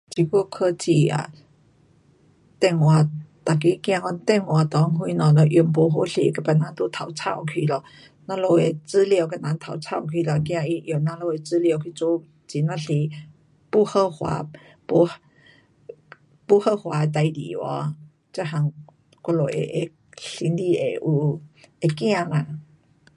这久科技啊，电话每个怕讲电话内若什么若用不好势被别人都偷抄去了，咱们有的资料被人偷抄去了，怕他用咱们的资料去做很呀多不合法，不，不合法的事情有没，这样我们会，会心里有，会怕嘛。